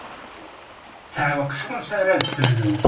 Teɛweq s wansa ara d-tebdu.